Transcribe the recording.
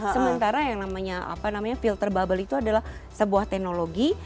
sementara yang namanya filter bubble itu adalah sebuah teknologi